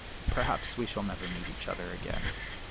perhaps we shall never meet each other again."